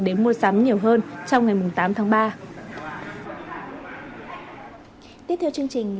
đến mua sắm nhiều hơn trong ngày tám tháng ba